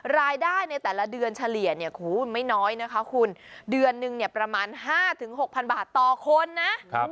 รายได้ในแต่ละเดือนเฉลี่ยไม่น้อยนะคะคุณเดือนนึงเนี่ยประมาณ๕๖๐๐บาทต่อคนนะ